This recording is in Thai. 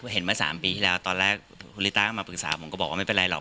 เห็นมา๓ปีที่แล้วตอนแรกคุณลิต้าก็มาปรึกษาผมก็บอกว่าไม่เป็นไรหรอก